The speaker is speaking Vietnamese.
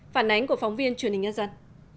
phản ánh của phóng viên truyền hình nhân dân